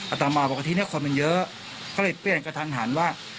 ตามมาบอกว่าที่นี่คนมันเยอะก็เลยเปลี่ยนกระทันหันว่า